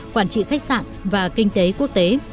quản trị khách sạn và kinh tế quốc tế